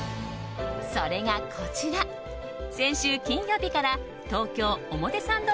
それがこちら、先週金曜日から東京・表参道